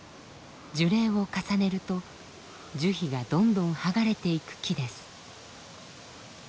樹齢を重ねると樹皮がどんどんはがれていく木です。